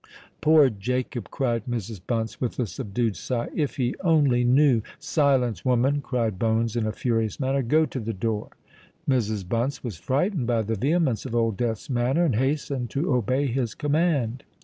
"Poor Jacob!" cried Mrs. Bunce, with a subdued sigh: "If he only knew——" "Silence, woman!" cried Bones in a furious manner. "Go to the door." Mrs. Bunce was frightened by the vehemence of Old Death's manner, and hastened to obey his command.